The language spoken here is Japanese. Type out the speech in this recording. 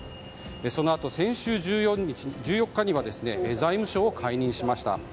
そのあと先週１４日には財務相を解任しました。